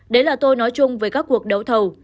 đấy là tôi nói chung với các cuộc đấu thầu